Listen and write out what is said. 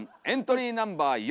エントリーナンバー４。